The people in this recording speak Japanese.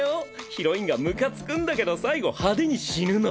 ヒロインがムカつくんだけど最後派手に死ぬの。